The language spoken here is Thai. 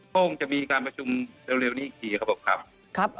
ก้องจะมีการประชุมเร็วนี่อีกทีครับ